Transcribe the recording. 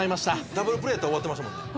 「ダブルプレーやったら終わってましたもんね」